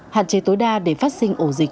hạn chế tối đa để phát sinh ổ dịch